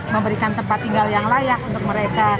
memberikan tempat tinggal yang layak untuk mereka